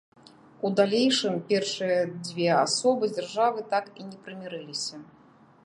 У далейшым першыя дзве асобы дзяржавы так і не прымірыліся.